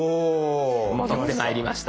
戻ってまいりました。